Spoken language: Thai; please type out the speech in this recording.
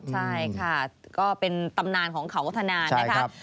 ใช่ค่ะก็เป็นตำนานของเขาธนานนะคะ